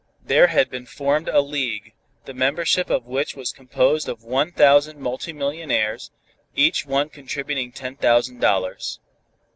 There had been formed a league, the membership of which was composed of one thousand multi millionaires, each one contributing ten thousand dollars.